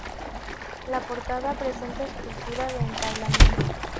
La portada presenta estructura de entablamento.